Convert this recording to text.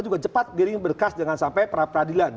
juga cepat diring berkas jangan sampai perapradilan